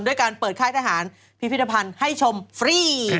การเปิดค่ายทหารพิพิธภัณฑ์ให้ชมฟรี